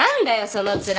その面。